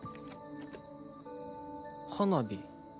花火。